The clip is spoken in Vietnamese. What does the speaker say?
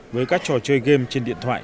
với các trò chơi game trên điện thoại